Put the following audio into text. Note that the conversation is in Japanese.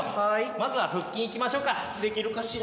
まずは腹筋いきましょうかできるかしら？